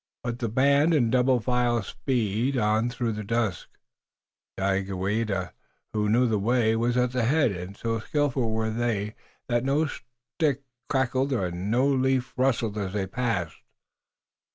But the band in double file sped on through the dusk. Daganoweda, who knew the way, was at the head, and so skillful were they that no stick crackled and no leaf rustled as they passed.